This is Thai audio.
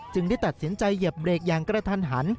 ได้ตัดสินใจเหยียบเบรกอย่างกระทันหัน